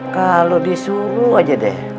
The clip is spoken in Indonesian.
kalau disuruh aja deh